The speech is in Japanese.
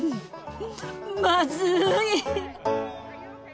まずい。